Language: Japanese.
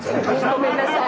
ごめんなさい。